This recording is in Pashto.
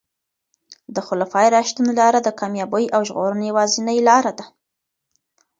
د خلفای راشدینو لاره د کامیابۍ او ژغورنې یوازینۍ لاره ده.